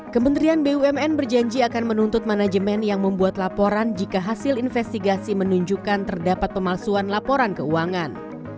kementerian bumn berjanji akan menuntut manajemen yang membuat laporan jika hasil investigasi menunjukkan terdapat pemalsuan laporan keuangan